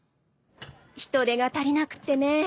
人手が足りなくってね。